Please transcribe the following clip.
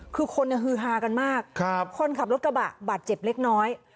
คือคนฮือฮากันมากคนขับรถกระบะบาดเจ็บเล็กน้อย